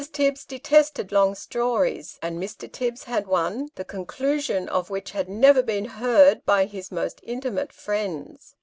Tibbs detested long stories, and Mr. Tibbs had one, the conclusion of which had never been heard by his most intimate friends.